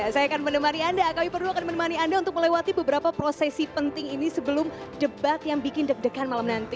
saya akan menemani anda kami perlu akan menemani anda untuk melewati beberapa prosesi penting ini sebelum debat yang bikin deg degan malam nanti